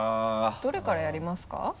どれからやりますか？